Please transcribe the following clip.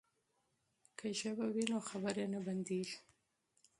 که ژبه وي نو خبرې نه بندیږي.